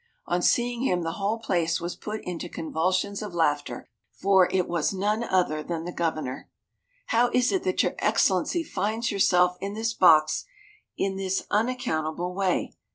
On seeing him the whole place was put into convulsions of laughter, for it was none other than the Governor. "How is it that your Excellency finds yourself in this box in this unaccountable way?"